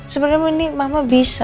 sebenernya ini mama bisa